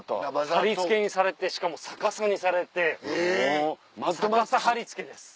はりつけにされてしかも逆さにされて逆さはりつけです。